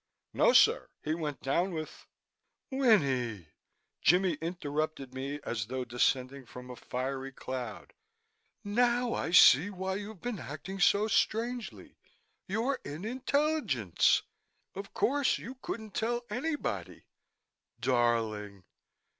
"No, sir. He went down with " "Winnie!" Jimmie interrupted me as though descending from a fiery cloud. "Now I see why you've been acting so strangely. You're in intelligence. Of course you couldn't tell anybody. Darling!"